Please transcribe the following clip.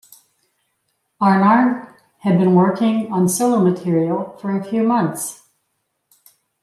Arnaert had been working on solo material for a few months.